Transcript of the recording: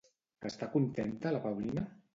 Està contenta la Paulina?